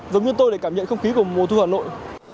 giống như tôi để cảm nhận không khí của mùa thu hà nội